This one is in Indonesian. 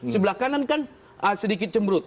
sebelah kanan kan sedikit cembrut